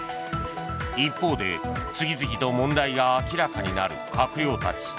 一方で、次々と問題が明らかになる閣僚たち。